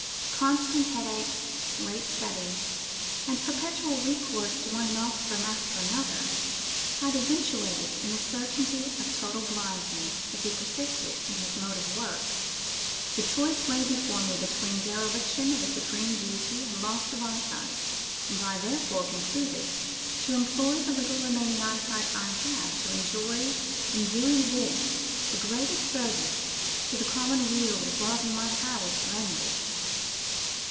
Constant headaches, late study, and perpetual recourse to one nostrum after another, had eventuated in the certainty of total blindness if he persisted in his mode of work. "The choice lay before me between dereliction of a supreme duty and loss of eyesight; ... and I therefore concluded to employ the little remaining eyesight I was to enjoy in doing this, the greatest service to the common weal it was in my power to render."